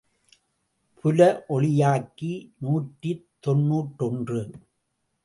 புல ஒளியாக்கி நூற்றி தொன்னூற்றொன்று.